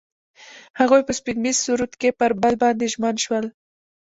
هغوی په سپوږمیز سرود کې پر بل باندې ژمن شول.